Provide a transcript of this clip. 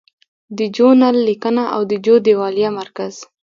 د جو نل لیکنه او د جو دیوالیه مرکز